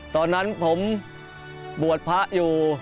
ตอนนั้นผมบวชพระอยู่